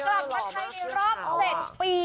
กลับมาไทยในรอบ๗ปี